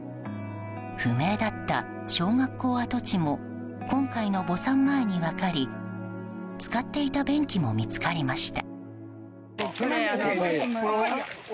不明だった小学校跡地も今回の墓参前に分かり使っていた便器も見つかりました。